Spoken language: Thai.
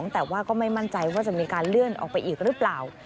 แต่ว่าก็ไม่มั่นใจว่าจะมีการเลื่อนออกไปอีกหรือเปล่า